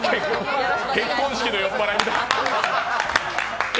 結婚式の酔っぱらいみたい。